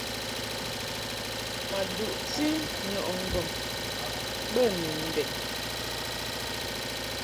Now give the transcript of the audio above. Ma duʼti nɔʼɨ ŋgɔŋ be nu ndɛn.